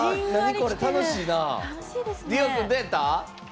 これ楽しいな。